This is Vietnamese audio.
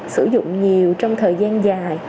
sử dụng nhiều trong thời gian dài